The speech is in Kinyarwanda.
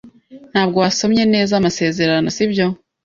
Ntabwo wasomye neza amasezerano, sibyo?